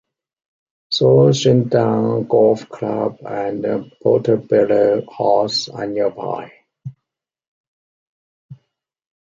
Southerndown Golf Club and Portobello House are nearby.